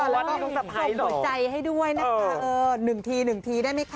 อ๋อแล้วต้องส่งหัวใจให้ด้วยนั่นค่ะ๑ที๑ทีได้ไหมคะ